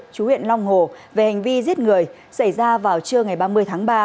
chú huyện long hồ về hành vi giết người xảy ra vào trưa ngày ba mươi tháng ba